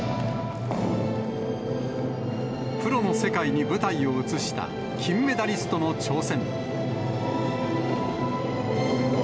プロの世界に舞台を移した金メダリストの挑戦。